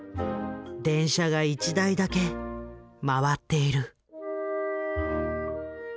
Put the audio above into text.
電車が１台だけ回っている。